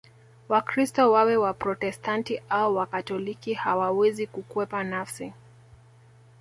Wakristo wawe Waprotestanti au Wakatoliki hawawezi kukwepa nafsi